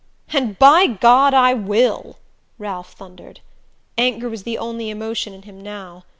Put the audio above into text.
"And by God, I will!" Ralph thundered. Anger was the only emotion in him now.